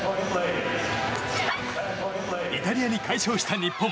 イタリアに快勝した日本。